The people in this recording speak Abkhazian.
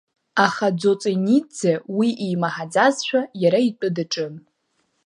Аха Ӡоҵениӡе уи имаҳаӡазшәа иара итәы даҿын.